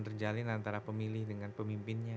terjalin antara pemilih dengan pemimpinnya